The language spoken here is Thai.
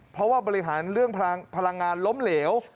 เพราะว่าบริหารเรื่องพลังงานล้มเหลว